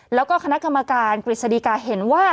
แล้วก็คณะกรรมการกฤษฎีกาเห็นว่า